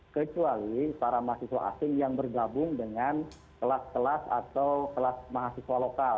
kecuali para mahasiswa asing yang bergabung dengan kelas kelas atau kelas mahasiswa lokal